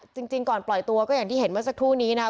จริงก่อนปล่อยตัวก็อย่างที่เห็นเมื่อสักครู่นี้นะครับ